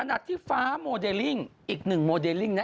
ขนาดที่ฟ้ามโดดีลิ่งอีก๑โดดีลิ่งเนี่ย